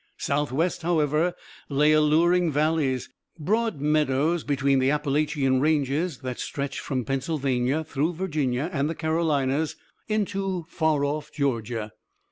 Southwest, however, lay alluring valleys, broad meadows between the Appalachian ranges that stretched from Pennsylvania through Virginia and the Carolinas into far off Georgia.